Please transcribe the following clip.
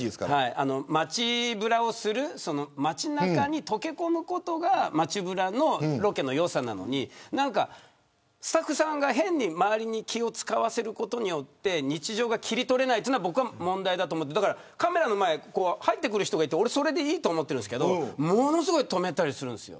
街ぶらをする街なかに溶け込むことが街ぶらのロケの良さなのにスタッフさんが変に周りに気を使わせることで日常が切り取れないのが僕は問題だと思っていてカメラの前に入ってくる人がいていいと思っているんですがものすごい止めたりするんです。